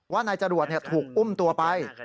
นายจรวดถูกอุ้มตัวไป